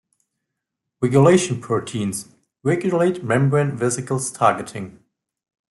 Regulation Proteins - regulate membrane vesicle targeting.